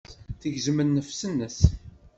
Tegzem nnefs-nnes.